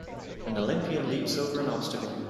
An olympian leaps over an obstacle